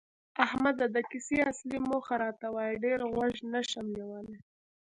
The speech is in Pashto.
احمده! د کیسې اصلي موخه راته وایه، ډېر غوږ نشم نیولی.